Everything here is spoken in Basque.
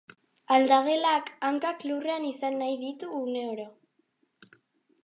Aldagelak hankak lurrean izan nahi ditu uneoro.